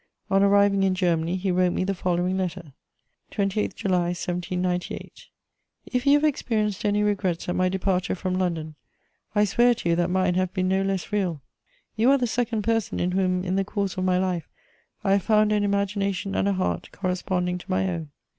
On arriving in Germany, he wrote me the following letter: "28 July 1798. "If you have experienced any regrets at my departure from London, I swear to you that mine have been no less real. You are the second person in whom, in the course of my life, I have found an imagination and a heart corresponding to my own.